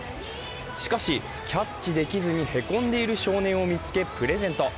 しかし、キャッチできずにへこんでいる少年を見つけプレゼント。